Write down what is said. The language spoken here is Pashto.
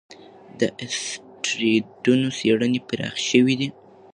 د اسټروېډونو څېړنې پراخې شوې دي.